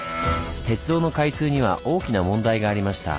鉄道の開通には大きな問題がありました。